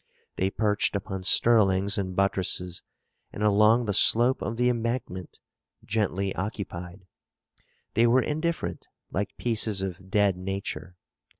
They perched upon sterlings and buttresses and along the slope of the embankment, gently occupied. They were indifferent, like pieces of dead nature.